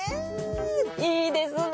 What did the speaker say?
いいですね。